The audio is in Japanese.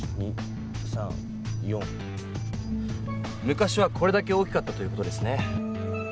昔はこれだけ大きかったという事ですね。